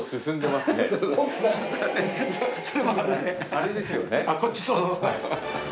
あれですよね？